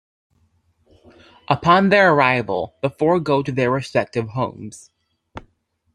Upon their arrival, the four go to their respective homes.